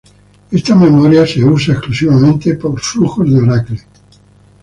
Esta memoria es usada exclusivamente por flujos de Oracle.